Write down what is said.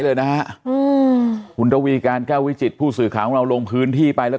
เลยนะฮะอืมคุณระวีการแก้ววิจิตผู้สื่อข่าวของเราลงพื้นที่ไปแล้ว